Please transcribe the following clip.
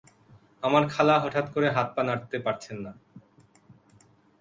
আমার খালা হঠাৎ করে হাত পা নাড়াতে পারছে না।